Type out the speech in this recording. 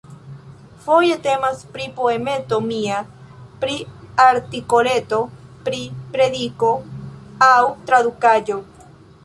Foje temas pri poemeto mia, pri artikoleto, pri prediko aŭ tradukaĵo.